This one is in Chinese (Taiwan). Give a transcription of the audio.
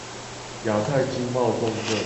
亞太經貿重鎮